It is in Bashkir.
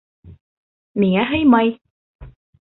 Миңә һыймай!